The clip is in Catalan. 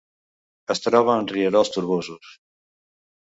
Es troba en rierols torbosos.